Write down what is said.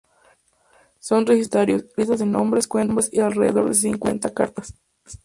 Son registros de inventarios, listas de nombres, cuentas y alrededor de cincuenta cartas.